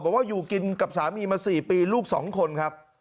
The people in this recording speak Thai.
บอกว่าอยู่กินกับสามีมา๔ปีลูก๒คนครับ